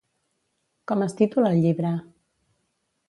Com es titula el llibre?